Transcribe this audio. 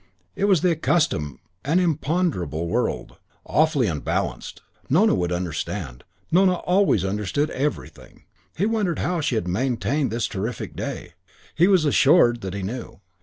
It was the accustomed and imponderable world, awfully unbalanced. Nona would understand. Nona always understood everything. He wondered how she had maintained this terrific day. He was assured that he knew.